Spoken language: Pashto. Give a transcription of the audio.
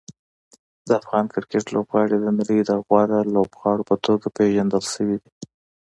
د افغان کرکټ لوبغاړي د نړۍ د غوره لوبغاړو په توګه پېژندل شوي دي.